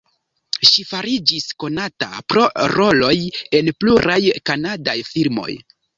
Ŝi fariĝis konata pro roloj en pluraj kanadaj filmoj.